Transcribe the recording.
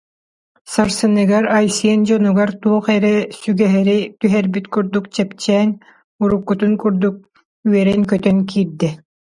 Сарсыныгар Айсен дьонугар туох эрэ сүгэһэри түһэрбит курдук чэпчээн, уруккутун курдук үөрэн-көтөн киирдэ